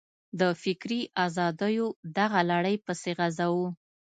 د فکري ازادیو دغه لړۍ پسې غځوو.